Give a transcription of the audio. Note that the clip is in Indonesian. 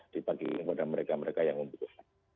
di bagian kodang mereka mereka yang membutuhkan